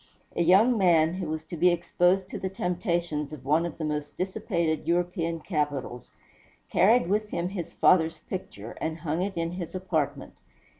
A young man, who was to be exposed to the temptations of one of the most dissipated European capitals, carried with him his father's picture, and hung it in his apartment.